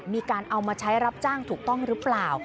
มีการเอามาใช้รับจ้างถูกต้องหรือเปล่า